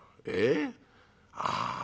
ええ？ああ。